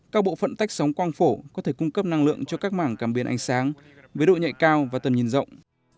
các bộ phận tách sóng quang phổ có thể cung cấp năng lượng cho các mảng cảm biến ánh sáng với độ nhạy cao và tầm nhìn rộng